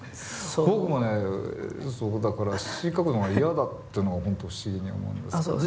そうだから詞書くのが嫌だっていうのが本当不思議に思うんですけど。